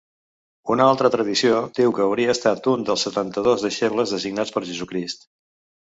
Una altra tradició diu que hauria estat un dels setanta-dos deixebles designats per Jesucrist.